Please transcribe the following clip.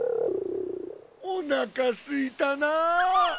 おなかすいたなあ。